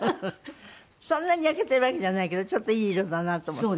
そんなに焼けてるわけじゃないけどちょっといい色だなと思って。